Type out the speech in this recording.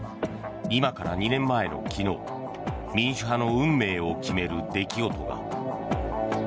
今から２年前の昨日民主派の運命を決める出来事が。